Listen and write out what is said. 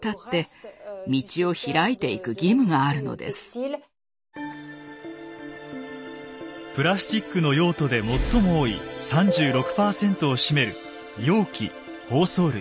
だからこそプラスチックの用途で最も多い３６％を占める容器・包装類。